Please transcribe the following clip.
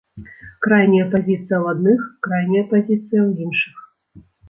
Крайняя пазіцыя ў адных, крайняя пазіцыя ў іншых.